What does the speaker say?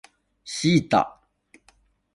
シータ